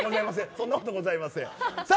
そんなことございません。